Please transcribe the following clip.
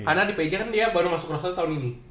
karena di pj kan dia baru masuk rosel tahun ini